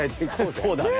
そうだね。